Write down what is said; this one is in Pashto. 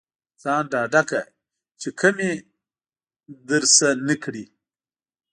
ځان ډاډه کړه چې کمې درنه نه کړي.